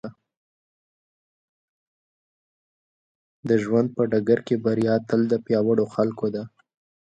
د ژوند په ډګر کې بريا تل د پياوړو خلکو ده.